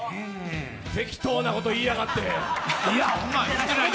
適当なこと言いやがって。